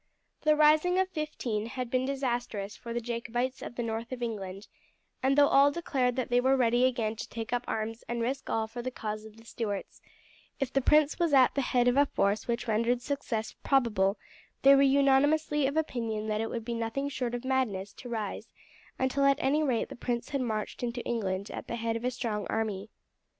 The rising of '15 had been disastrous for the Jacobites of the North of England, and though all declared that they were ready again to take up arms and risk all for the cause of the Stuarts, if the prince was at the head of a force which rendered success probable, they were unanimously of opinion that it would be nothing short of madness to rise until at any rate the prince had marched into England at the head of a strong army.